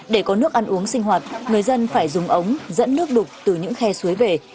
để có nước ăn uống sinh hoạt người dân phải dùng ống dẫn nước đục từ những khe suối về